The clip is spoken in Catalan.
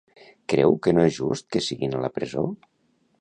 Creu que no és just que siguin a la presó?